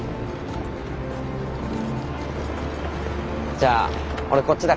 じゃあ俺こっちだから。